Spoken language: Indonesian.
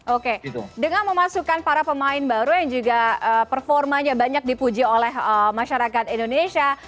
oke dengan memasukkan para pemain baru yang juga performanya banyak dipuji oleh masyarakat indonesia